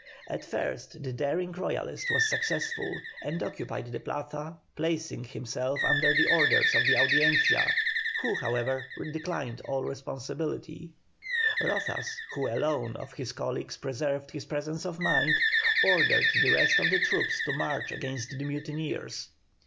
At first the daring Royalist was successful, and occupied the Plaza, placing himself under the orders of the Audiencia, who however, declined all responsibility. Rozas, who alone of his colleagues preserved his presence of mind, ordered the rest of the troops to march against the mutineers.